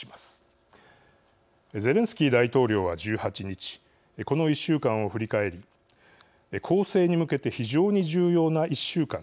ゼレンスキー大統領は１８日この１週間を振り返り「攻勢に向けて非常に重要な１週間だった。